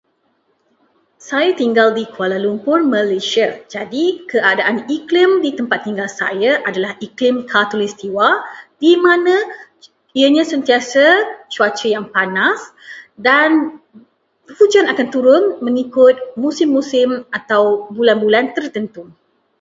Saya tinggal di Kuala Lumpur, Malaysia. Jadi, keadaan iklim di tempat tinggal saya adalah iklim khatulistiwa, di mana ianya sentiasa cuaca yang panas dan hujan akan turun mengikut musim-musim atau bulan-bulan tertentu.